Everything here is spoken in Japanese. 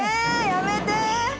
やめて！